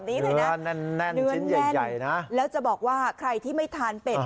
เนื้อแน่นชิ้นใหญ่นะแล้วจะบอกว่าใครที่ไม่ทานเป็ด